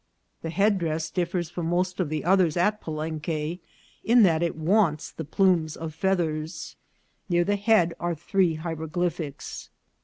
The headdress differs from most of the others at Palenque in that it wants the plumes of feathers. Near the head are three hieroglyphics.